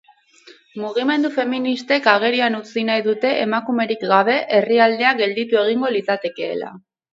Mugimendu feministek agerian utzi nahi dute emakumerik gabe herrialdea gelditu egingo litzatekeela.